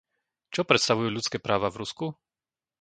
Čo predstavujú ľudské práva v Rusku?